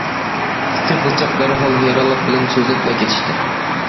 ئىككى قىزچاق دەرھال ھەيرانلىق بىلەن سۆزلەپلا كېتىشتى.